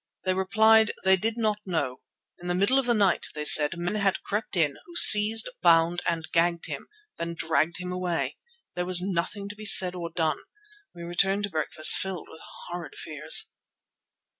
They replied they did not know. In the middle of the night, they said, men had crept in, who seized, bound and gagged him, then dragged him away. As there was nothing to be said or done, we returned to breakfast filled with horrid fears.